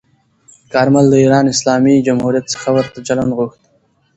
کارمل د ایران اسلامي جمهوریت څخه ورته چلند غوښت.